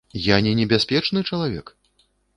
Я не небяспечны чалавек!